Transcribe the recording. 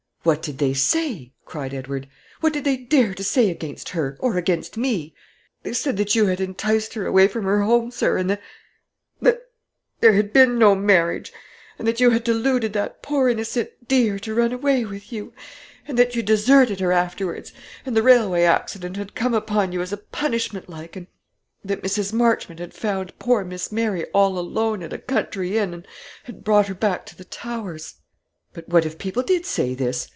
"What did they say?" cried Edward. "What did they dare to say against her or against me?" "They said that you had enticed her away from her home, sir, and that that there had been no marriage; and that you had deluded that poor innocent dear to run away with you; and that you'd deserted her afterwards, and the railway accident had come upon you as a punishment like; and that Mrs. Marchmont had found poor Miss Mary all alone at a country inn, and had brought her back to the Towers." "But what if people did say this?"